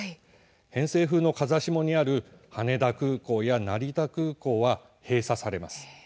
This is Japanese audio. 偏西風の風下にある羽田空港や成田空港は閉鎖されます。